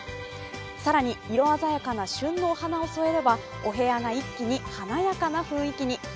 更に色鮮やかな旬のお花を添えればお部屋が一気に華やかな雰囲気に。